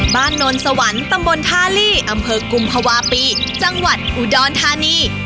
นนสวรรค์ตำบลท่าลี่อำเภอกุมภาวะปีจังหวัดอุดรธานี